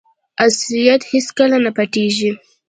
اصلیت هیڅکله نه پټیږي.